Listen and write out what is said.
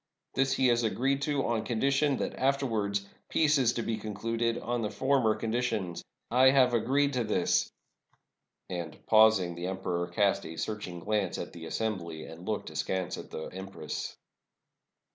This he has agreed to, on condition that afterwards peace is to be concluded on the former conditions. I have agreed to this —" And, pausing, the emperor cast a searching glance at the assembly, and looked askance at the empress.